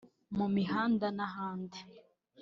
mu mihanda n’ahandi